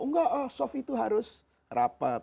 enggak soft itu harus rapat